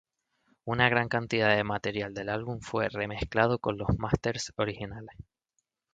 Una gran cantidad de material del álbum fue remezclado con los másters originales.